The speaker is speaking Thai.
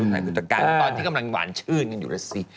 ตอนที่กำลังหวานชื่นนั่นอยู่ละสิ